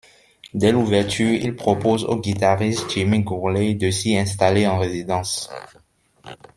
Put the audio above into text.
Dès l'ouverture, il propose au guitariste Jimmy Gourley de s'y installer en résidence.